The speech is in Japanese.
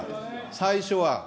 最初は。